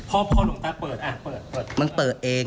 พอหลวงตาเปิดพอมันเปิดเอง